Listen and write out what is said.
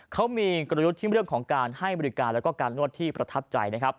เขามีกระโดยุที่เลือกของการให้บริการแล้วก็การนวดที่ประทับใจ